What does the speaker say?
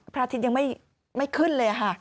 พระอาทิตย์ยังไม่ขึ้นเลยค่ะ